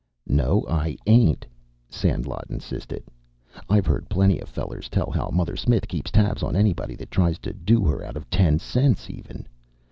"No, I ain't," Sandlot insisted. "I've heard plenty of fellers tell how Mother Smith keeps tabs on anybody that tries to do her out of ten cents even.